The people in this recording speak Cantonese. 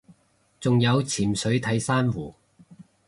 仲有潛水睇珊瑚